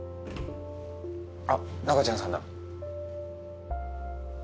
あっナカちゃんさんだ。